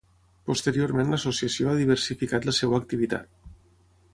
Posteriorment l'associació ha diversificat la seva activitat.